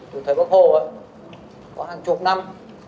từ thời quốc hội có hàng chục năm